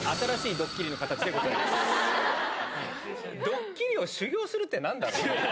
ドッキリを修行するってなんだろうね。